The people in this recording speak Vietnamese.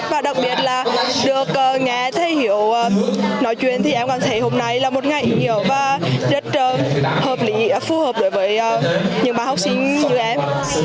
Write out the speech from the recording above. và đặc biệt là được nghe thầy hiểu nói chuyện thì em còn thấy hôm nay là một ngày ý nghĩa và rất hợp lý phù hợp với những bản học sinh như em